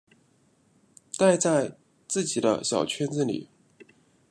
待在自己的小圈子里